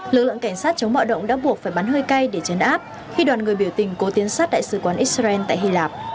lực lượng cảnh sát chống bạo động đã buộc phải bắn hơi cay để chấn áp khi đoàn người biểu tình cố tiến sát đại sứ quán israel tại hy lạp